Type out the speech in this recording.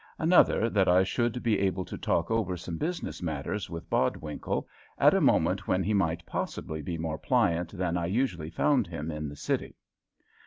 Another, that I should be able to talk over some business matters with Bodwinkle, at a moment when he might possibly be more pliant than I usually found him in the City.